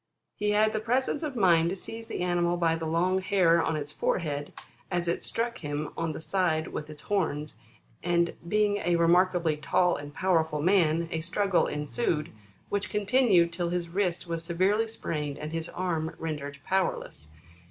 He had the presence of mind to seize the animal by the long hair on its forehead, as it struck him on the side with its horns, and being a remarkably tall and powerful man, a struggle ensued, which continued till his wrist was severely sprained, and his arm rendered powerless.